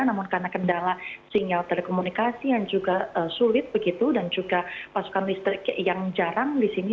namun karena kendala sinyal telekomunikasi yang juga sulit begitu dan juga pasokan listrik yang jarang di sini